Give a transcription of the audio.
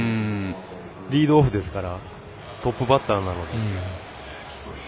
リードオフですからトップバッターなので。